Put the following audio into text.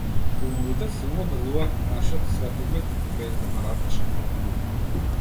Филмовите силно делуваат на нашиот светоглед и погледите на различни групи луѓе.